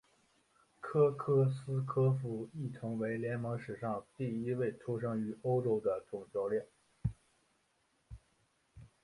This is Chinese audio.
科克斯柯夫亦成为联盟历史上第一位出生于欧洲的总教练。